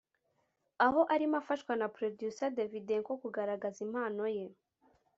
aho arimo afashwa na producer Davydenko kugaragaza impano ye